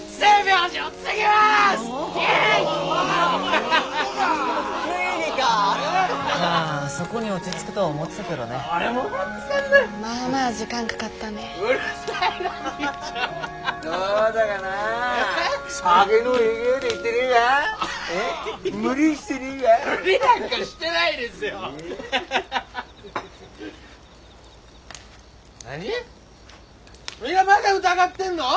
何みんなまだ疑ってんの？